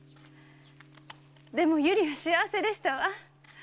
でも百合は幸せでしたわ。